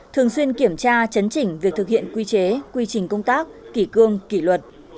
thường xuyên kiểm tra chấn chỉnh việc thực hiện quy chế quy trình công tác kỷ cương kỷ luật